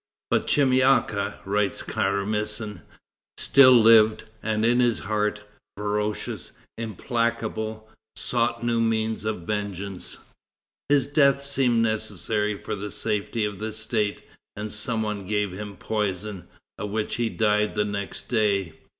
"But Chemyaka," writes Karamsin, "still lived, and his heart, ferocious, implacable, sought new means of vengeance. His death seemed necessary for the safety of the state, and some one gave him poison, of which he died the next day.